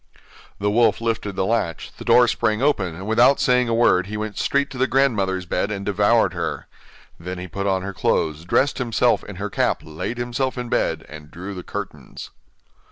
The wolf lifted the latch, the door sprang open, and without saying a word he went straight to the grandmother's bed, and devoured her. Then he put on her clothes, dressed himself in her cap laid himself in bed and drew the curtains.